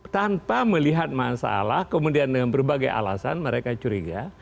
tanpa melihat masalah kemudian dengan berbagai alasan mereka curiga